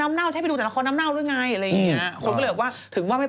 น้ำเน่าใช่ไหมไปดูแต่ละครน้ำเน่าด้วยไง